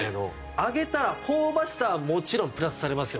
揚げたら香ばしさはもちろんプラスされますよね。